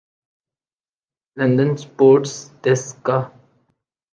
London sports ڈیسکا